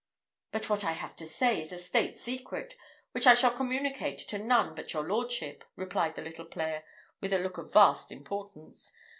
"But what I have to say is a state secret, which I shall communicate to none but your lordship," replied the little player, with a look of vast importance.